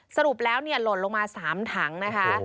สรุปแล้วหล่นลงมา๓ถังนะคะ